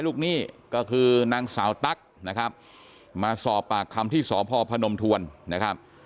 หนี้ก็คือนางสาวตั๊กนะครับมาสอบปากคำที่สพพนมทวนนะครับ